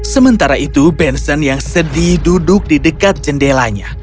sementara itu benson yang sedih duduk di dekat jendelanya